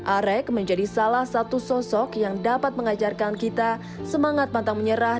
arek menjadi salah satu sosok yang dapat mengajarkan kita semangat pantang menyerah